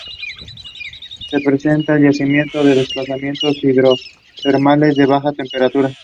Se presenta en yacimientos de desplazamiento hidrotermales de baja temperatura.